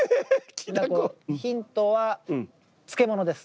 ヒントは漬物です。